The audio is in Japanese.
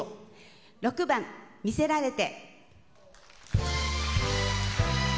６番「魅せられて」。